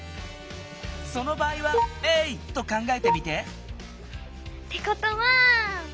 その場合は０と考えてみて！ってことは。